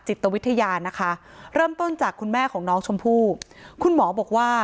จิตวิทยานะคะเริ่มต้นจากคุณแม่ของน้องชมพู่คุณหมอบอกว่า